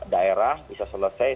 daerah bisa selesai